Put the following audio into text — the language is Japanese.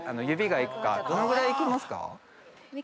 どのぐらい行きますか？